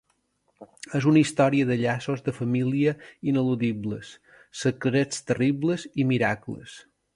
Es una historia de llaços de família ineludibles, secrets terribles i miracles.